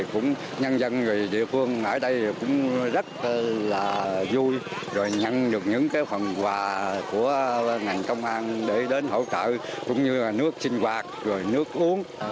cũng như là nước sinh hoạt rồi nước uống